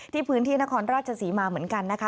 พื้นที่นครราชศรีมาเหมือนกันนะคะ